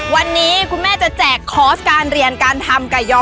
วันนี้คุณแม่จะแจกคอร์สการเรียนการทำไก่ยอ